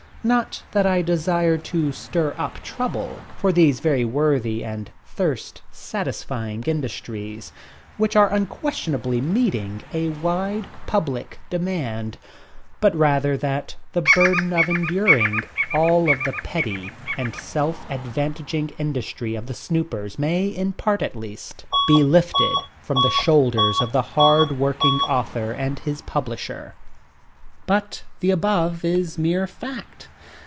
Not that I desire to stir up trouble for these very worthy and thirst satisfying industries which are unquestionably meeting a wide public demand. But rather that the burden of enduring all of the petty and self advantaging industry of the snoopers may, in part at least, be lifted from the shoulders of the hard working author and his publisher. But the above is mere fact.